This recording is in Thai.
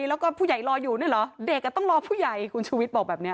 แล้วก็ผู้ใหญ่รออยู่นี่เหรอเด็กต้องรอผู้ใหญ่คุณชูวิทย์บอกแบบนี้